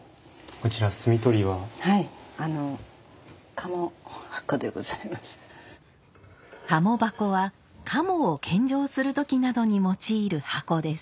鴨箱は鴨を献上する時などに用いる箱です。